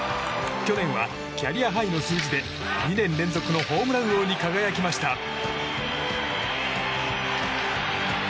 去年はキャリアハイの数字で２年連続のホームラン王に輝きました。